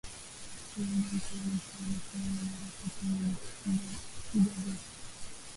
Steve Bantu Biko alikuwa mwanaharakati mwenye kupiga vita